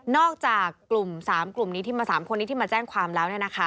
จากกลุ่ม๓กลุ่มนี้ที่มา๓คนนี้ที่มาแจ้งความแล้ว